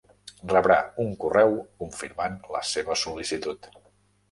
Rebrà un correu confirmant la seva sol·licitud.